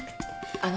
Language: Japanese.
あの。